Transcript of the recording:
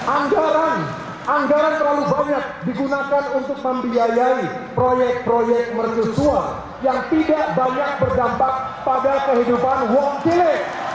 anggaran anggaran terlalu banyak digunakan untuk membiayai proyek proyek mercusua yang tidak banyak berdampak pada kehidupan wong kilate